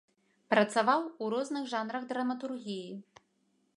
Працаваў ў розных жанрах драматургіі.